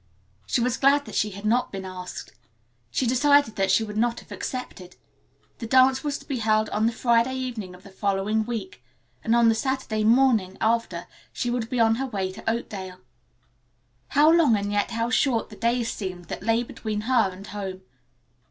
She was glad that she had not been asked. She decided that she would not have accepted. The dance was to be held on the Friday evening of the following week, and on the Saturday morning after she would be on her way to Oakdale. How long and yet how short the days seemed that lay between her and home.